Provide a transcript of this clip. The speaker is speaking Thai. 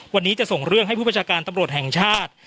วันนี้จะส่งเรื่องให้ผู้ประชาการตำรวจแห่งชาติ